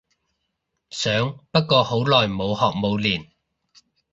想不過好耐冇學冇練